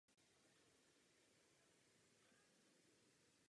Další změny nastaly i tento rok.